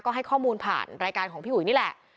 ก็ให้ข้อมูลผ่านรายการของพี่อุ๋ยนี่แหละ